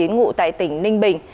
ngụ tại tỉnh ninh bình